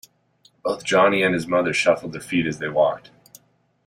Both Johnny and his mother shuffled their feet as they walked.